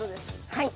はい。